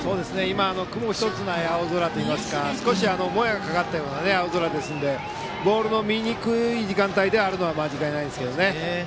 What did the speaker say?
雲１つない青空といいますか少し、もやがかかったような青空ですのでボールの見にくい時間帯であるのは間違いないです。